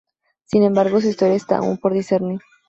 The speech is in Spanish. Sin embargo, su historia está aún por discernir.